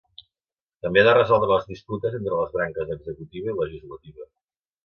També ha de resoldre les disputes entre les branques executiva i legislativa.